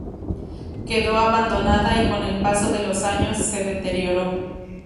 Quedó abandonada y con el paso de los años se deterioró.